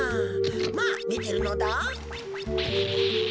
まあみてるのだ。